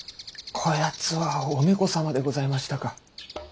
こやつは「お猫様」でございましたか。